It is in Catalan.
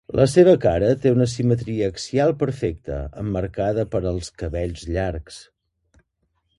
La seva cara té una simetria axial perfecta emmarcada per els cabells llargs.